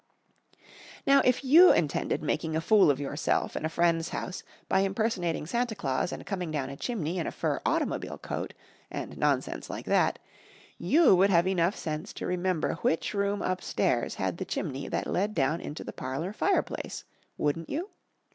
Now, if you intended making a fool of yourself in a friend's house by impersonating Santa Claus and coming down a chimney in a fur automobile coat, and nonsense like that, you would have sense enough to remember which room upstairs had the chimney that led down into the parlour fireplace, wouldn't you?